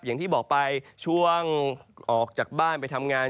อย่างที่บอกไปช่วงออกจากบ้านไปทำงาน